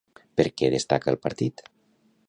Per què destaca el partit?